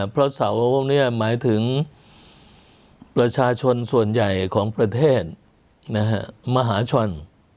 เพราะเสาพวกนี้หมายถึงประชาชนส่วนใหญ่ของประเทศมหาชน